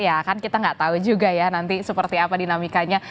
ya kan kita nggak tahu juga ya nanti seperti apa dinamikanya